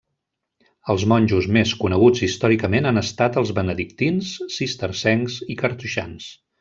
Els monjos més coneguts històricament han estat els benedictins, cistercencs i cartoixans.